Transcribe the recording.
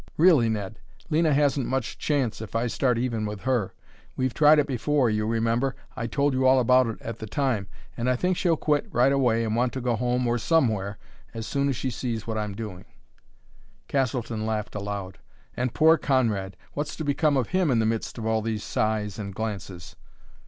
Really, Ned, Lena hasn't much chance if I start even with her; we've tried it before you remember I told you all about it at the time and I think she'll quit right away and want to go home, or somewhere, as soon as she sees what I'm doing." Castleton laughed aloud. "And poor Conrad! What's to become of him in the midst of all these sighs and glances?"